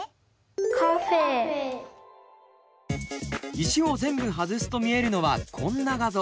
石を全部外すと見えるのはこんな画像。